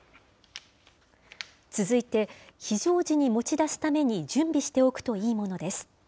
続いて、非常時に持ち出すために準備しておくといいものです。